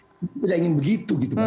kita tidak ingin begitu gitu mbak